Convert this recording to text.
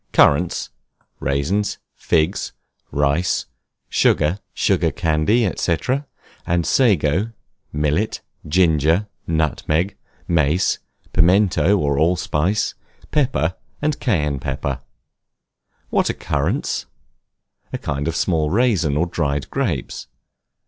CURRANTS, RAISINS, FIGS, RICE, SUGAR, SUGAR CANDY, &C., SAGO, MILLET, GINGER, NUTMEG, MACE, PIMENTO OR ALLSPICE, PEPPER, AND CAYENNE PEPPER. What are Currants? A kind of small raisins or dried grapes.